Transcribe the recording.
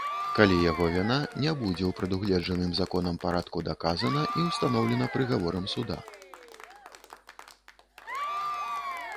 Калі яго віна не будзе ў прадугледжаным законам парадку даказана і ўстаноўлена прыгаворам суда.